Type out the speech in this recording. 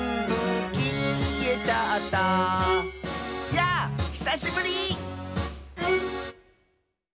「やぁひさしぶり！」